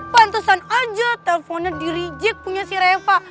pantusan angel telponnya dirijek punya si reva